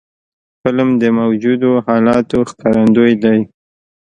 فلم د موجودو حالاتو ښکارندوی دی